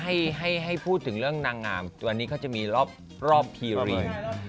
ว่าให้พูดถึงเรื่องนางงามตัวนี้ก็จะมีรอบพีรีม